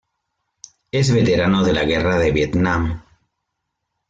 Es veterano de la guerra de Vietnam.